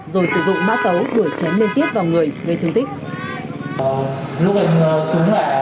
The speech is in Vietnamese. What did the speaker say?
rồi sử dụng mã tấu đuổi chém liên tiếp vào người gây thương tích